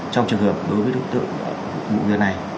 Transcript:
trong trường hợp đối với đối tượng vụ việc này